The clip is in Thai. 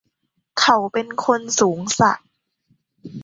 เขาเป็นคนสูงศักดิ์